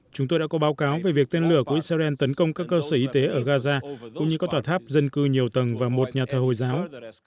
chúng tôi đã có báo cáo về việc tên lửa của israel tấn công các cơ sở y tế ở gaza cũng như các tòa tháp dân cư nhiều tầng và một nhà thờ hồi giáo